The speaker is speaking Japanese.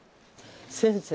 先生